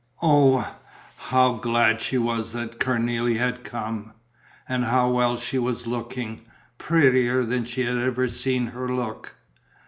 Oh, how glad she was that Cornélie had come! And how well she was looking, prettier than she had ever seen her look!